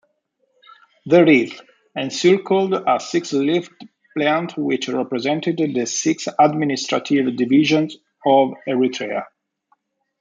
The wreath encircled a six-leafed plant which represented the six administrative divisions of Eritrea.